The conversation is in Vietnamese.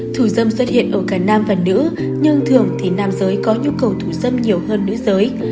thủ dâm xuất hiện ở cả nam và nữ nhưng thường thì nam giới có nhu cầu thủ dâm nhiều hơn nữ giới